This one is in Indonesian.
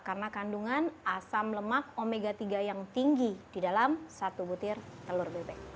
karena kandungan asam lemak omega tiga yang tinggi di dalam satu butir telur